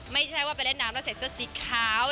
ไม่ใช่ว่าไปเล่นน้ำแล้วใส่เสื้อสีขาว